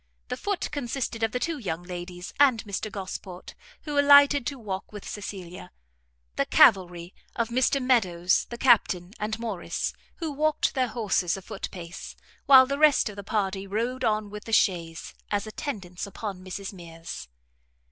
The foot consisted of the two young ladies, and Mr Gosport, who alighted to walk with Cecilia; the cavalry, of Mr Meadows, the Captain, and Morrice, who walked their horses a foot pace, while the rest of the party rode on with the chaise, as attendants upon Mrs Mears.